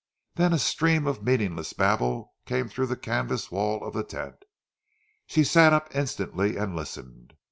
Then a stream of meaningless babble came through the canvas wall of the tent. She sat up instantly, and listened.